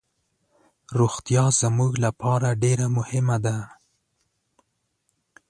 روغتیا زموږ لپاره ډیر مهمه ده.